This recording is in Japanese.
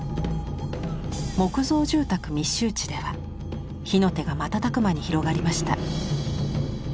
木造住宅密集地では火の手が瞬く間に広がりました。